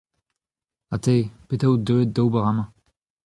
Ha te, petra out deuet d’ober amañ ?